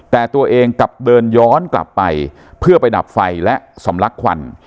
แต่ตัวเองกลับเดินย้อนกลับไปเพื่อไปดับไฟและสำลักควัน